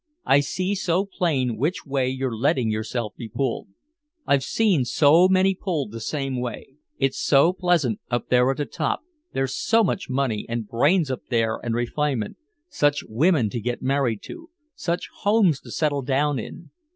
I see so plain which way you're letting yourself be pulled. I've seen so many pulled the same way. It's so pleasant up there at the top, there's so much money and brains up there and refinement such women to get married to, such homes to settle down in.